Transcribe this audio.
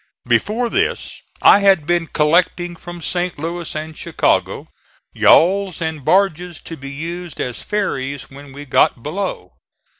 Before this I had been collecting, from St. Louis and Chicago, yawls and barges to be used as ferries when we got below.